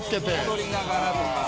踊りながらとか。